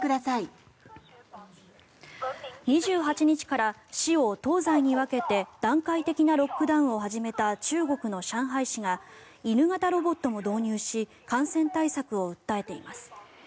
２８日から市を東西に分けて段階的なロックダウンを始めた中国の上海市が犬型ロボットを導入し感染対策を訴えています。